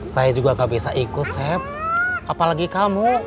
saya juga nggak bisa ikut sep apalagi kamu